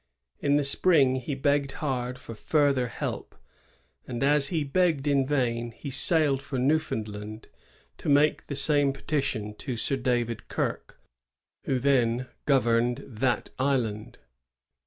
In the spring he begged hard for further help; and, as he begged in vain, he sailed for Newfoundland to make the same petition to Sir David Eirke, who then governed that island.